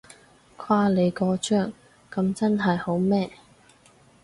誇你個張，噉真係好咩？